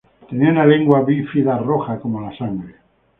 Tenía una lengua bífida roja como la sangre.